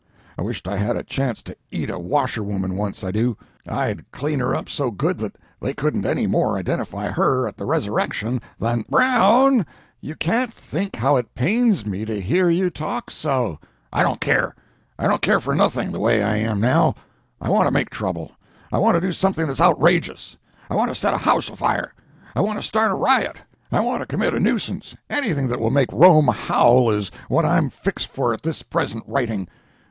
I wisht I had a chance to eat a washerwoman once, I do. I'd clean her up so good that they couldn't any more identify her at the resurrection than——" "Brown, you can't think how it pains me to hear you talk so." "I don't care—I don't care for nothing, the way I am now. I want to make trouble. I want to do something that's outrageous. I want to set a house a fire—I want to start a riot—I want to commit a nuisance, anything that will make Rome howl is what I'm fixed for at this present writing.